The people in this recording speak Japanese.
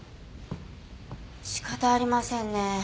仕方ありませんね。